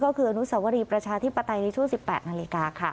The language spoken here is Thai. ก็คืออนุสวรีประชาธิปไตยในช่วง๑๘นาฬิกาค่ะ